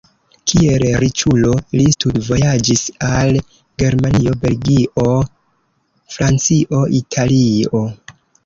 Kiel riĉulo li studvojaĝis al Germanio, Belgio, Francio, Italio.